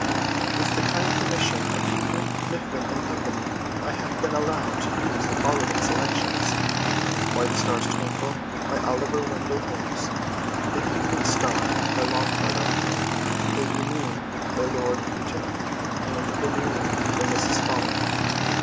With the kind permission of Houghton, Mifflin & Co. I have been allowed to use the following selections: "Why the Stars Twinkle," by Oliver Wendell Holmes; "The Evening Star," by Longfellow; "Lady Moon," by Lord Houghton; and "The New Moon," by Mrs. Follen.